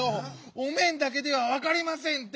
「おめん」だけではわかりませんって！